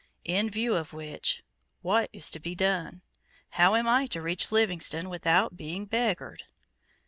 In view of which, what is to be done? How am I to reach Livingstone, without being beggared?